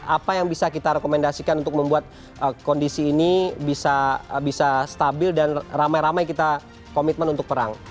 apa yang bisa kita rekomendasikan untuk membuat kondisi ini bisa stabil dan ramai ramai kita komitmen untuk perang